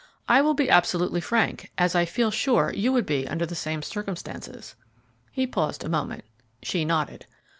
"I will be absolutely frank, as I feel sure you would be under the same circumstances." He paused a moment; she nodded.